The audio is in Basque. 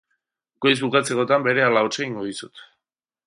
Goiz bukatzekotan, berehala hots egingo dizut.